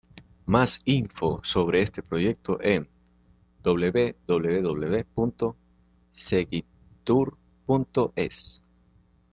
Mas info sobre este proyecto en: www.segittur.es